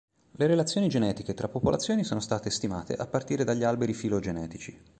Le relazioni genetiche tra popolazioni sono state stimate a partire dagli alberi filogenetici.